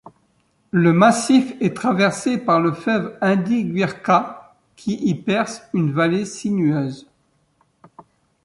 Le massif est traversé par le fleuve Indiguirka qui y perce une vallée sinueuse.